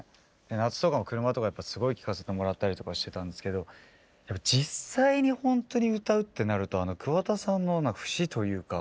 夏とかも車とかですごい聴かせてもらったりとかしてたんですけど実際にほんとに歌うってなると桑田さんの節というか。